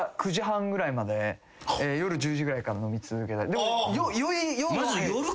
夜１０時ぐらいから飲み続けたり。